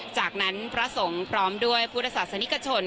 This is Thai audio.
จากนั้นพระสงฆ์พร้อมด้วยพุทธศาสนิกชน